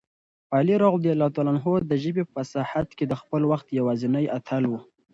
علي رض د ژبې په فصاحت کې د خپل وخت یوازینی اتل و.